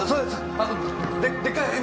あのでっかい蛇！